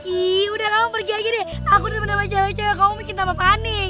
ihh udah kamu pergi aja deh aku udah temen sama cewek cewek kamu bikin tambah panik